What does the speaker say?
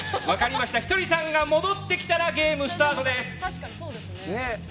ひとりさんが戻ってきたらゲームスタートです。